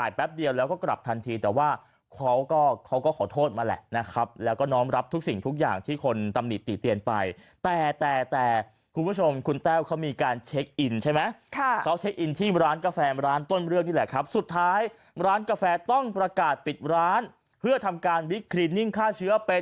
ขายแป๊บเดียวแล้วก็กลับทันทีแต่ว่าเขาก็เขาก็ขอโทษมาแหละนะครับแล้วก็น้องรับทุกสิ่งทุกอย่างที่คนตำหนิติเตียนไปแต่แต่คุณผู้ชมคุณแต้วเขามีการเช็คอินใช่ไหมค่ะเขาเช็คอินที่ร้านกาแฟร้านต้นเรื่องนี่แหละครับสุดท้ายร้านกาแฟต้องประกาศปิดร้านเพื่อทำการวิกคลินิ่งฆ่าเชื้อเป็น